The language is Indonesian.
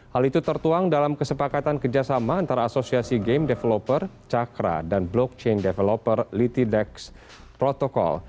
hal itu tertuang dalam kesepakatan kerjasama antara asosiasi game developer chakra dan blockchain developer litidex protocol